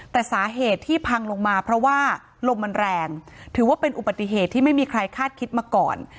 แต่สาเหตุที่พังลงมาเพราะว่าลมมันแรงถือว่าเป็นอุบัติเหตุที่ไม่มีใครคาดคิดมาก่อน